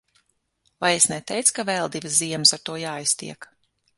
Vai es neteicu, ka vēl divas ziemas ar to jāiztiek.